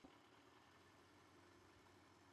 硫化是对橡胶性能进行改良的一种过程。